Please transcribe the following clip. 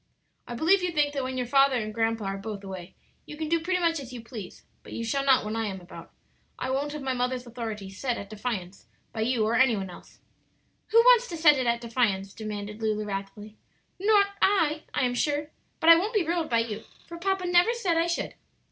"I believe you think that when your father and grandpa are both away you can do pretty much as you please; but you shall not while I am about. I won't have my mother's authority set at defiance by you or any one else." "Who wants to set it at defiance?" demanded Lulu, wrathfully. "Not I, I am sure. But I won't be ruled by you, for papa never said I should."